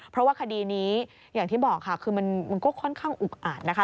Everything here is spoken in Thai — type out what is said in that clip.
เพราะว่าคดีนี้อย่างที่บอกค่ะคือมันก็ค่อนข้างอุกอาจนะคะ